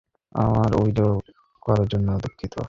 আবার অভিযোগ করার জন্য দুঃখিত।